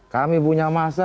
kami punya masa